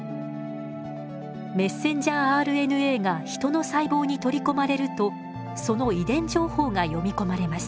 ｍＲＮＡがヒトの細胞に取り込まれるとその遺伝情報が読み込まれます。